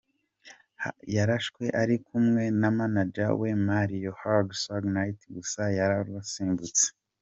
Yarashwe ari kumwe na manager we Marion Hugh ’Suge’ Knight gusa we yararusimbutse.